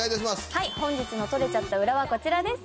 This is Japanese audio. はい本日の撮れちゃったウラはこちらです。